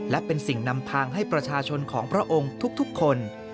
และเป็นสิ่งนำพังให้ประชาชนของพระองค์ทุกคน